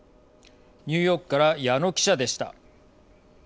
ニューヨークから矢野記者でした。